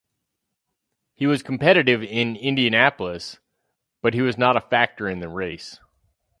He was competitive in Indianapolis, but he was not a factor in the race.